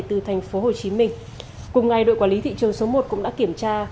từ thành phố hồ chí minh cùng ngày đội quản lý thị trường số một cũng đã kiểm tra